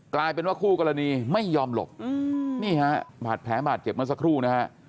กลายเป็นว่าคู่กรณีไม่ยอมหลบนี่ฮะบาดแผลบาดเจ็บเมื่อสักครู่นะฮะ